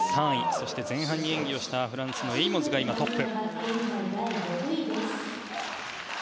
そして前半に演技をしたフランスのエイモズがトップ。